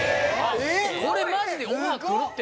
これマジでオファーくるって！